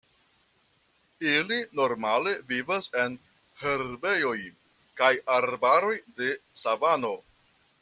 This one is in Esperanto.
Ili normale vivas en herbejoj kaj arbaroj de savano.